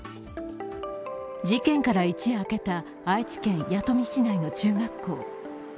事件から一夜明けた愛知県弥冨市内の中学校。